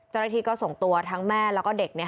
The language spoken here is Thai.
เจ้าหน้าที่ก็ส่งตัวทั้งแม่แล้วก็เด็ก